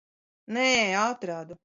Nē, atradu.